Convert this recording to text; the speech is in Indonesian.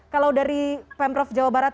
kalau dari pemprov jawa barat